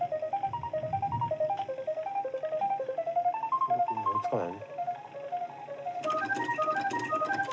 これ追いつかない。